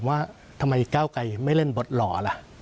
ว่าทำไมก้าวไกลไม่เล่นบทหล่อล่ะ